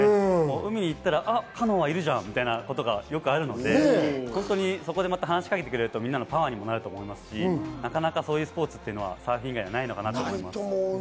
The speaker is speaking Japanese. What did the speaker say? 海に行ったらカノアいるじゃんということがよくあるので、話し掛けてくれると、またみんなのパワーになりますし、なかなかそういうスポーツはサーフィン以外にはないと思います。